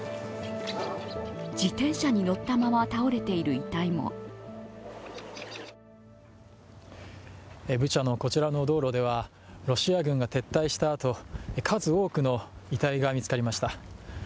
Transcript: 自転車に乗ったまま倒れている遺体もブチャのこちらの道路ではロシア軍が撤退したあと、数多くの遺体が見つかりました。